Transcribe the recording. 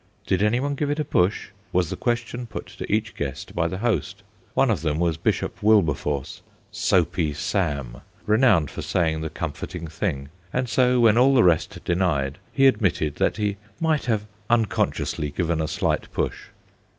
Did any one give it a push ? was the question put to each guest by the host. One of them was Bishop Wilberforce, * Soapy Sam/ renowned for saying the com forting thing, and so when all the rest denied, he admitted that he might have un consciously given a slight push.